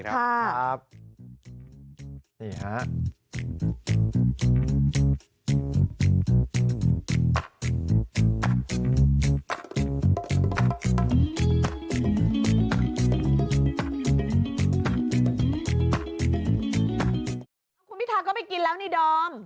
คุณพิทาก็ไปกินแล้วนี่ดอม